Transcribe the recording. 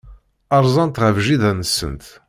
Rzant ɣef jida-tsent.